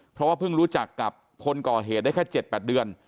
เพราะว่าเพิ่งรู้จักกับคนก่อเหตุได้แค่๗๘เดือน